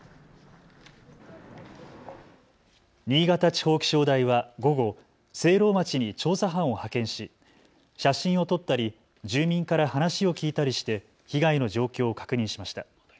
新潟地方気象台は午後、聖籠町に調査班を派遣し写真を撮ったり住民から話を聞いたりして被害の状況を確認しました。